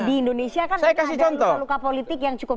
di indonesia kan ada luka politik yang cukup dalam